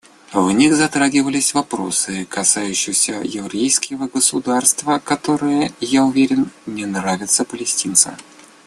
В них затрагивались вопросы, касающиеся еврейского государства, которые, я уверен, не нравятся палестинцам.